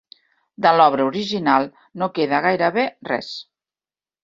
De l'obra original no queda gairebé res.